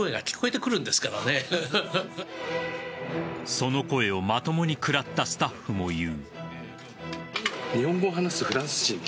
その声をまともに食らったスタッフも言う。